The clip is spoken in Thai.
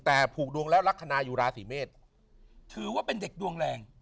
แต่ผูกดวงแล้วลักษณะอยู่ราศีเมษถือว่าเป็นเด็กดวงแรง